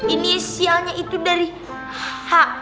ini isianya itu dari h